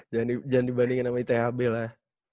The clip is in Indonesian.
jangan dibandingin sama ithb lah